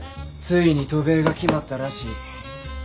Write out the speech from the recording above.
ついに渡米が決まったらしい。